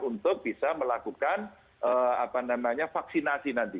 untuk bisa melakukan vaksinasi nanti